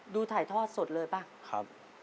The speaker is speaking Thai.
ดูถ่ายทอดสดเลยป่ะ